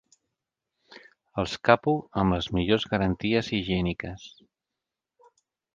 Els capo amb les millors garanties higièniques.